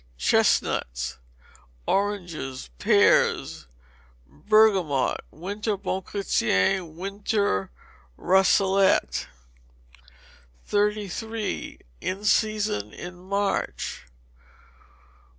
Chestnuts, oranges. Pears: Bergamot, winter Bon Chrétien, winter Russelet. 33. In Season in March.